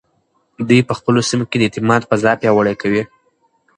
دوی په خپلو سیمو کې د اعتماد فضا پیاوړې کوي.